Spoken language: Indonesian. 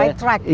iya sudah sesuai